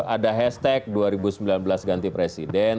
ada hashtag dua ribu sembilan belas ganti presiden